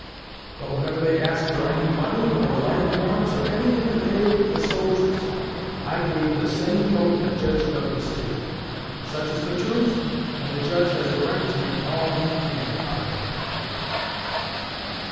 But whenever they asked for any money or land warrants, or anything to pay the soldiers, I gave the same vote that Judge Douglas did. Such is the truth, and the Judge has a right to make all he can out of it."